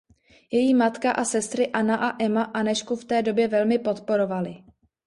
Její matka a sestry Anna a Ema Anežku v té době velmi podporovaly.